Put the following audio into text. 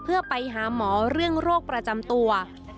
เพื่อไปหาหมอเรื่องโรคประจำตัว